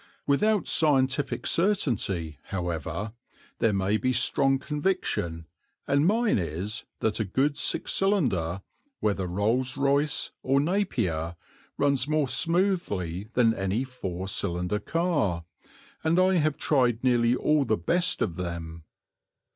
Without scientific certainty, however, there may be strong conviction, and mine is that a good six cylinder, whether Rolls Royce or Napier, runs more smoothly than any four cylinder car, and I have tried nearly all the best of them.